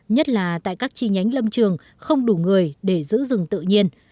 nhất là tại các chi nhánh lâm trường không đủ người để giữ rừng tự nhiên